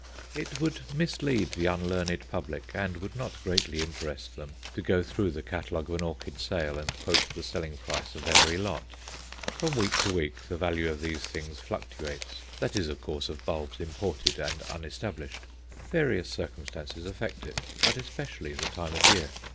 It would mislead the unlearned public, and would not greatly interest them, to go through the catalogue of an orchid sale and quote the selling price of every lot. From week to week the value of these things fluctuates that is, of course, of bulbs imported and unestablished. Various circumstances effect it, but especially the time of year.